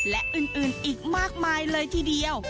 และอื่นอีกมากมายเลยทีเดียว